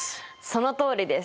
そのとおりです。